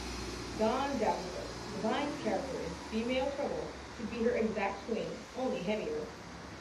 Dawn Davenport, Divine's character in "Female Trouble", could be her exact twin, only heavier.